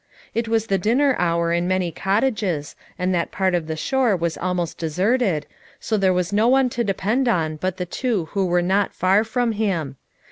It was the dinner hour in many cottages and that part of the shore was almost deserted, so there was no one to depend on but the two who were not far from him.